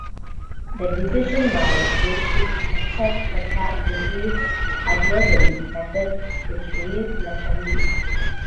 The decision by Bush to accept a tax increase adversely affected his re-election bid.